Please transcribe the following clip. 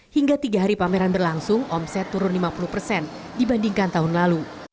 hingga tiga hari pameran berlangsung omset turun lima puluh persen dibandingkan tahun lalu